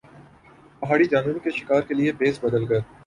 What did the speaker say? پہاڑی جانوروں کے شکار کے لئے بھیس بدل کر